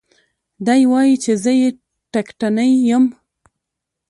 دى وايي چې زه يې ټکټنى يم.